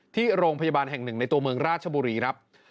ที่โรงพยาบาลแห่งหนึ่งในตัวเมืองราชบุรีครับ